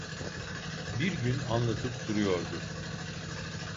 Bir gün anlatıp duruyordu: